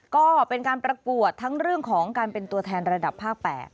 ก็เป็นการประกวดทั้งเรื่องของการเป็นตัวแทนระดับภาค๘